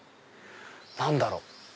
何だろう？